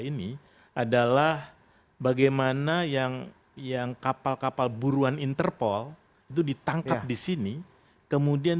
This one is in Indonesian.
ini adalah bagaimana yang yang kapal kapal buruan interpol itu ditangkap di sini kemudian